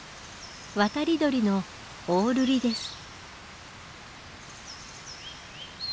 渡り鳥のオオルリです。